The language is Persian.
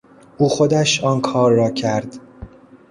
او خودش آن کار را کرد.